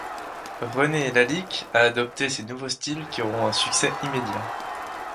René Lalique a adopté ces nouveaux styles qui auront un succès immédiat.